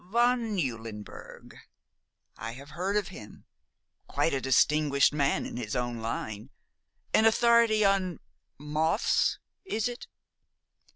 "Von Eulenberg? I have heard of him. Quite a distinguished man in his own line; an authority on moths, is it?"